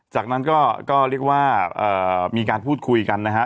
จากนั้นก็เรียกว่ามีการพูดคุยกันนะฮะ